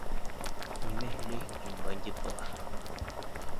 Нимә һөйләйһең һин, бандит балаһы?!